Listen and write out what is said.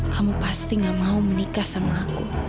kamu pasti gak mau menikah sama aku